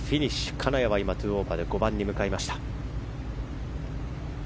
金谷は今、２オーバーで５番に向かいました。